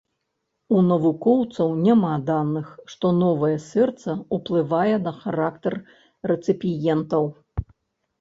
У навукоўцаў няма даных, што новае сэрца ўплывае на характар рэцыпіентаў.